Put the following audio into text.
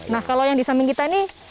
nah kalau yang di samping kita ini